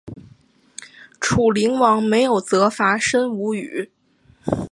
楚灵王没有责罚申无宇。